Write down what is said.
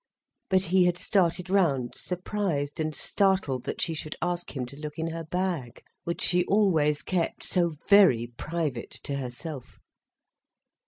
But he had started round, surprised and startled that she should ask him to look in her bag, which she always kept so very private to herself.